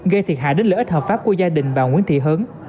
gây thiệt hại đến lợi ích hợp pháp của gia đình bà nguyễn thị hớn